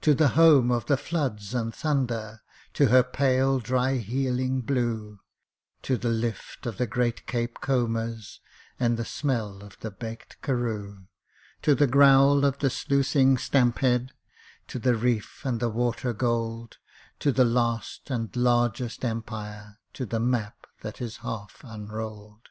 To the home of the floods and thunder, To her pale dry healing blue To the lift of the great Cape combers, And the smell of the baked Karroo. To the growl of the sluicing stamp head To the reef and the water gold, To the last and the largest Empire, To the map that is half unrolled!